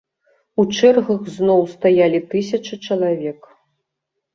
У чэргах зноў стаялі тысячы чалавек.